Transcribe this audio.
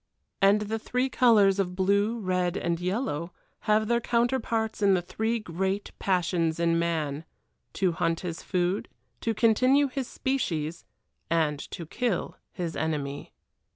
And the three colors of blue, red, and yellow have their counterparts in the three great passions in man to hunt his food, to continue his species, and to kill his enemy.